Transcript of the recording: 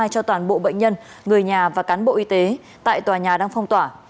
cho toàn bộ bệnh nhân người nhà và cán bộ y tế tại tòa nhà đang phong tỏa